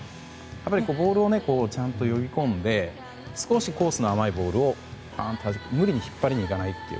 ボールをちゃんと呼び込んで少しコースの甘いボールを無理に引っ張りにいかない。